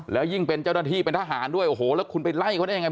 แล้วยิ่งเป็นเจ้าหน้าที่เป็นทหารด้วยโอ้โหแล้วคุณไปไล่เขาได้ยังไง